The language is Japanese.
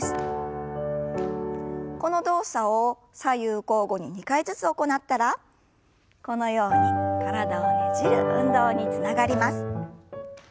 この動作を左右交互に２回ずつ行ったらこのように体をねじる運動につながります。